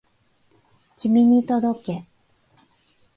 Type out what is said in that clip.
君に届け